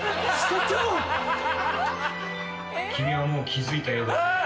君はもう気付いたようだね。